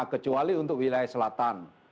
kecuali untuk wilayah selatan